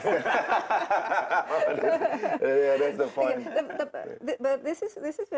hahaha ya itu poinnya